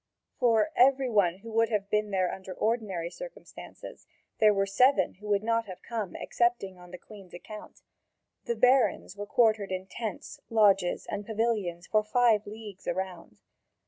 For every one who would have been there under ordinary circumstances, there were seven who would not have come excepting on the Queen's account. The barons were quartered in tents, lodges, and pavilions for five leagues around.